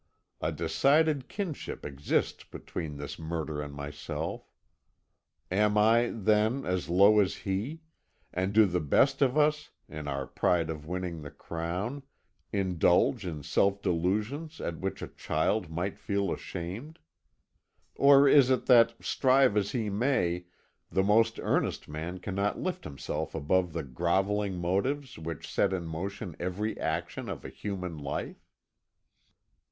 A decided kinship exists between this murderer and myself. Am I, then, as low as he, and do the best of us, in our pride of winning the crown, indulge in self delusions at which a child might feel ashamed? Or is it that, strive as he may, the most earnest man cannot lift himself above the grovelling motives which set in motion every action of a human life?"